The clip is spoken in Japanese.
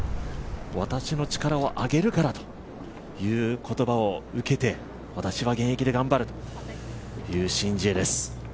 私の力をあげるからという言葉を受けて、私は現役で頑張るというシン・ジエです。